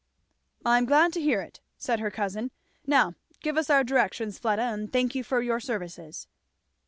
"I am glad to hear it," said her cousin. "Now give us our directions, Fleda, and thank you for your services."